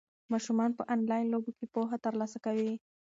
ماشومان په انلاین لوبو کې پوهه ترلاسه کوي.